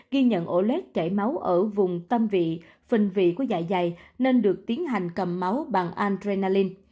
ghi nhận ổ lét chảy máu ở vùng tâm vị phình vị của dạ dày nên được tiến hành cầm máu bằng adrenaline